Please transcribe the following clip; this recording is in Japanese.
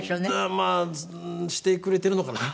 まあしてくれてるのかな？